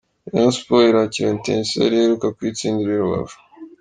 Rayon Sports irakira Etincelles iheruka kuyitsindira i Rubavu.